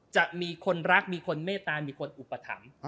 จะมีคนรักมีคนเมตตามีคนอุปถัมภ์